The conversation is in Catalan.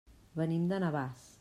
Venim de Navàs.